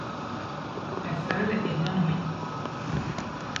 La sole est bien nourrie.